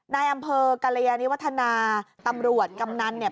ในอำเภอกรยานิวัฒนาตำรวจกำนันเนี่ย